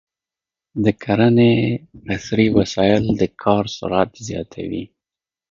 د کرنې عصري وسایل د کار سرعت زیاتوي.